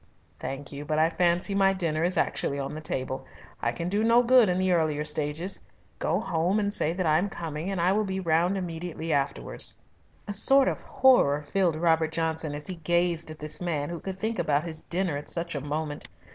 "Thank you, but I fancy my dinner is actually on the table. I can do no good in the earlier stages. Go home and say that I am coming, and I will be round immediately afterwards." A sort of horror filled Robert Johnson as he gazed at this man who could think about his dinner at such a moment.